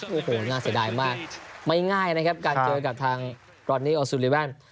โอ้โหน่าเสียดายมากไม่ง่ายนะครับการเจอกับทางรอนนี่ออซูลิเวน